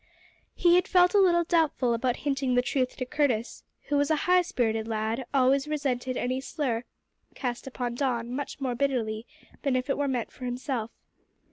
He had felt a little doubtful about hinting the truth to Curtis, who was a high spirited lad and always resented any slur cast upon Don much more bitterly than if it were meant for himself.